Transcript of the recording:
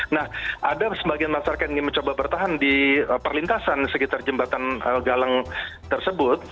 nah ada sebagian masyarakat yang ingin mencoba bertahan di perlintasan sekitar jembatan galang tersebut